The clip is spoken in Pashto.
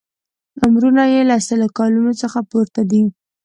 عمرونه یې له سلو کالونو څخه پورته دي.